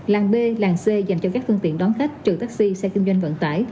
làng b làng c dành cho các phương tiện đón khách trừ taxi xe kinh doanh vận tải